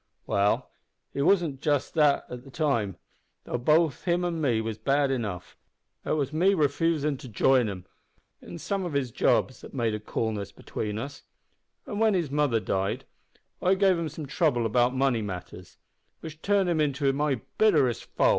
"Well, he wasn't just that at the time, though both him and me was bad enough. It was my refusin' to jine him in some of his jobs that made a coolness between us, an' when his mother died I gave him some trouble about money matters, which turned him into my bitterest foe.